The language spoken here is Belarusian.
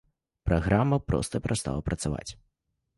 Праграма проста перастала працаваць.